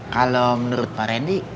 kalo menurut pak rendy